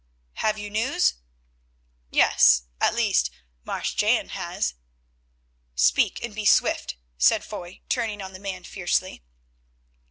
"Have you news?" "Yes, at least Marsh Jan has." "Speak, and be swift," said Foy, turning on the man fiercely.